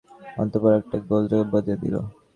অন্তঃপুরে একটা গোলযােগ বাধিয়া উঠিল।